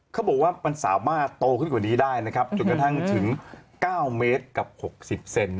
เขาบอกว่ามันสามารถโตขึ้นกว่านี้ได้นะครับจนกระทั่งถึง๙เมตรกับ๖๐เซน